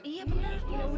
iya benar bu